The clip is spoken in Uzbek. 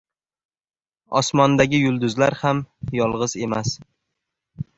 • Osmondagi yulduzlar ham yolg‘iz emas.